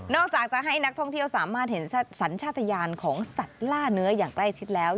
จากจะให้นักท่องเที่ยวสามารถเห็นสัญชาติยานของสัตว์ล่าเนื้ออย่างใกล้ชิดแล้ว